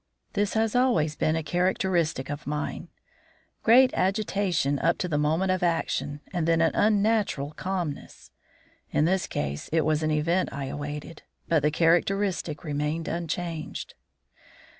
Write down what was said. This has always been a characteristic of mine. Great agitation up to the moment of action, and then an unnatural calmness. In this case it was an event I awaited; but the characteristic remained unchanged.